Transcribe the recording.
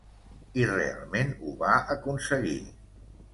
I realment ho va aconseguir!